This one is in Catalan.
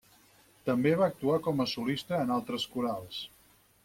També va actuar com a solista en altres corals.